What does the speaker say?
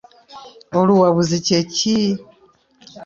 Oluwabuzi kye ki?